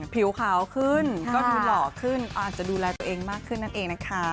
ผิวขาวขึ้นก็ดูหล่อขึ้นอาจจะดูแลตัวเองมากขึ้นนั่นเองนะคะ